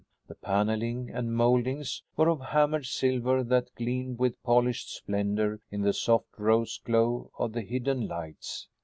The paneling and mouldings were of hammered silver that gleamed with polished splendor in the soft rose glow of the hidden lights.